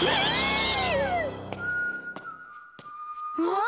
ああ。